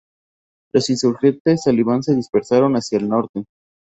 Los insurgentes talibán se dispersaron hacia el norte.